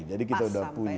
jadi kita sudah punya